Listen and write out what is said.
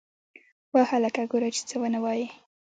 وه هلکه گوره چې څه ونه وايې.